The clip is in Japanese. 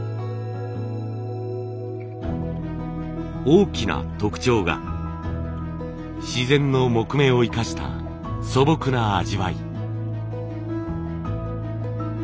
大きな特徴が自然の木目を生かした素朴な味わい。